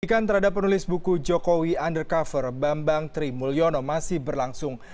petikan terhadap penulis buku jokowi undercover bambang trimulyono masih berlangsung